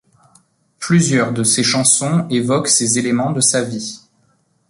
Plusieurs de ses chansons évoquent ces éléments de sa vie.